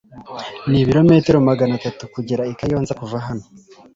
Nibirometero magana atatu kugera i Kayonza kuva hano